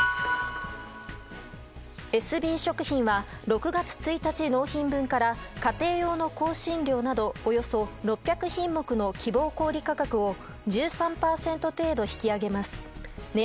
エスビー食品は６月１日納品分から家庭用の香辛料などおよそ６００品目の希望小売価格を１３％程度、値上げします。